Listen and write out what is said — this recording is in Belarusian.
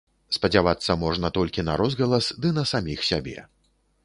Спадзявацца можна толькі на розгалас, ды на саміх сябе.